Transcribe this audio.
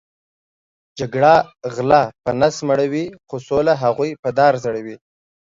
جګړه غلۀ په نس مړؤی خو سوله هغوې په دار ځړؤی